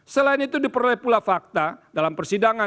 selain itu diperoleh pula fakta dalam persidangan